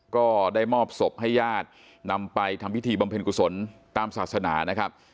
ก็ได้มอบศพให้ญาตินำไปทำพิธีบำเพ็ญกุศลตามศาสนานะครับ